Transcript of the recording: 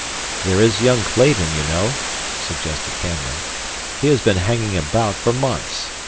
"There is young Clayton, you know," suggested Canler. "He has been hanging about for months.